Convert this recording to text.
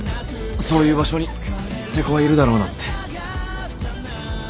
そういう場所に瀬古はいるだろうなって。